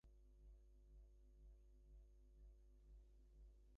Typically, a machine would feature multiple bus expansions slots, if any.